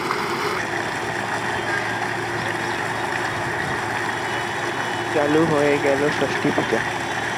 চালু হয়ে গেল ষষ্ঠীপুজা।